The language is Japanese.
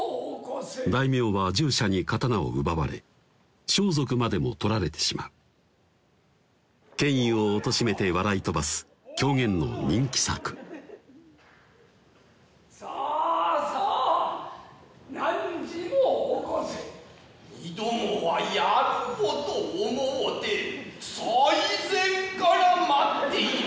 大名は従者に刀を奪われ装束までもとられてしまう権威をおとしめて笑い飛ばす狂言の人気作「さあさあ汝もおこせ」「身共はやろうと思うて最前から待っている」